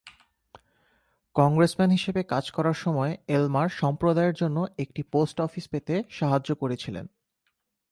Congressman হিসেবে কাজ করার সময় এলমার সম্প্রদায়ের জন্য একটি পোস্ট অফিস পেতে সাহায্য করেছিলেন।